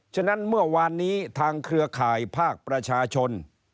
ฉะนั้นเมื่อวานนี้ทางเครือข่ายภาคประชาชน